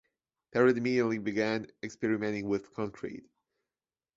Perret immediately began experimenting with concrete.